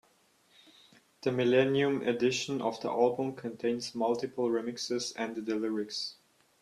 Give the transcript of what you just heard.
The millennium edition of the album contains multiple remixes and the lyrics.